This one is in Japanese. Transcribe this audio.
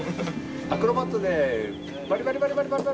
アクロバットでバリバリバリバリバリバリ。